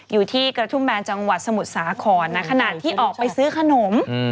อยู่ที่กระทุ่มแบนจังหวัดสมุทรสาครนะขณะที่ออกไปซื้อขนม